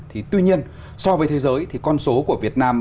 thì tuy nhiên so với thế giới thì con số của việt nam